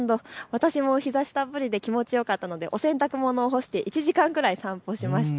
私も日ざしたっぷりで気持ちよかったのでお洗濯物を干して１時間ぐらい散歩しました。